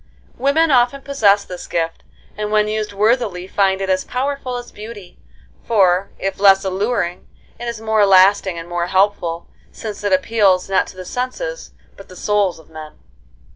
Women often possess this gift, and when used worthily find it as powerful as beauty; for, if less alluring, it is more lasting and more helpful, since it appeals, not to the senses, but the souls of men.